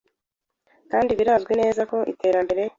Kandi birazwi neza ko iterambere